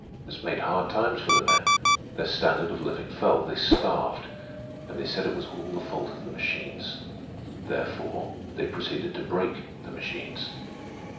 This made hard times for the men. Their standard of living fell. They starved. And they said it was all the fault of the machines. Therefore, they proceeded to break the machines.